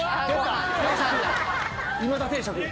今田定食。